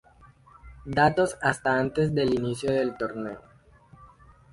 Datos hasta antes del inicio del torneo.